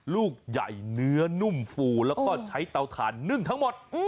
ลูกใหญ่เนื้อนุ่มฟูแล้วก็ใช้เตาถ่านนึ่งทั้งหมด